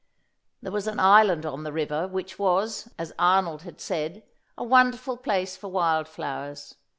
There was an island on the river, which was, as Arnold had said, a wonderful place for wild flowers.